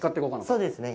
そうですね。